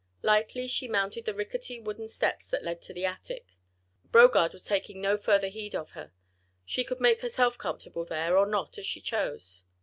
Lightly she mounted the rickety wooden steps that led to the attic. Brogard was taking no further heed of her. She could make herself comfortable there or not as she chose.